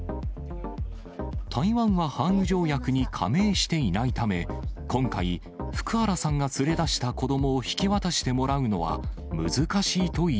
台湾はハーグ条約に加盟していないため、今回、福原さんが連れ出した子どもを引き渡してもらうのは、難しいとい